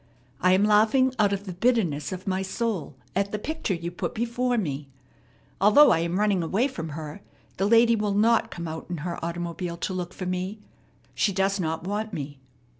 I am laughing out of the bitterness of my soul at the picture you put before me. Although I am running away from her, the lady will not come out in her automobile to look for me. She does not want me!"